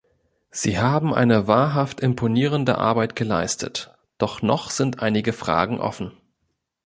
Sie haben eine wahrhaft imponierende Arbeit geleistet, doch noch sind einige Fragen offen.